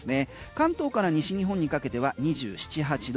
関東から西日本にかけては２７２８度。